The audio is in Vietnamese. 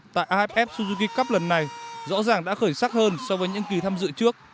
tại aff suzuki cup lần này rõ ràng đã khởi sắc hơn so với những kỳ tham dự trước